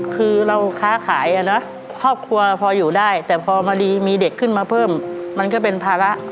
คือเราค้าขายอ่ะเนอะครอบครัวพออยู่ได้แต่พอมาดีมีเด็กขึ้นมาเพิ่มมันก็เป็นภาระ